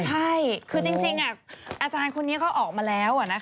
ใช่คือจริงอาจารย์คนนี้เขาออกมาแล้ว